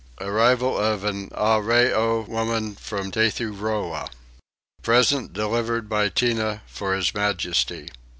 Arrival of an Arreoy Woman from Tethuroa. A Present delivered by Tinah for his Majesty.